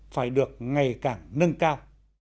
phải được ngày càng nâng cao